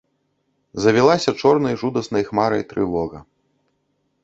Завілася чорнай жудаснай хмарай трывога.